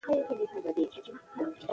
ښځې په اسلامي تاریخ کې ستر رول درلود.